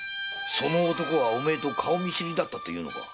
その男はおめえと顔見知りだったっていうのか？